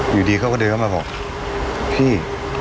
อยู่ดีเขาก็เดินเข้ามาบอกพี่